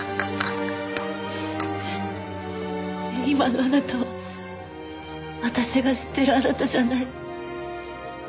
今のあなたは私が知ってるあなたじゃない。